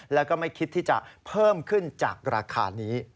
แล้วก็ไม่คิดที่จะเพิ่มขึ้นจากราคานี้